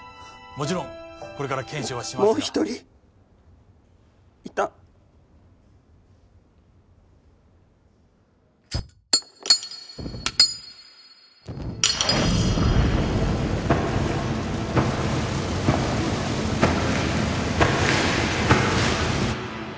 もちろんこれから検証はしますがもう一人いた公園にいた